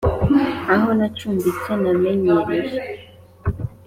Aho nacumbitse namenyereje